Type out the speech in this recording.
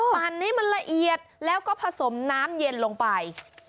ปั่นให้มันละเอียดแล้วก็ผสมน้ำเย็นลงไป